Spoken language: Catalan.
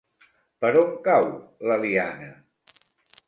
Per on cau l'Eliana?